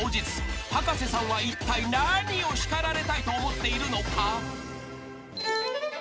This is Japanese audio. ［葉加瀬さんはいったい何を叱られたいと思っているのか］